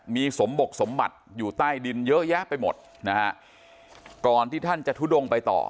มีสมบกสมบัติอยู่ใต้ดินเยอะแยะไปหมดนะฮะก่อนที่ท่านจะทุดงไปต่อ